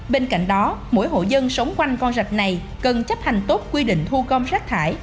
bên cạnh đó mỗi hộ dân sống quanh con rạch này cần chấp hành tốt quy định thu gom rác thải